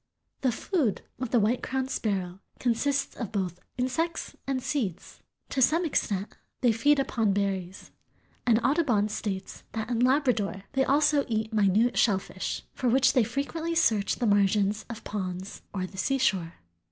The food of the White crowned sparrow consists of both insects and seeds. To some extent they feed upon berries, and Audubon states that in Labrador they also eat minute shellfish, "for which they frequently search the margins of ponds or the seashore."